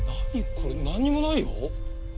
これなんにもないよ。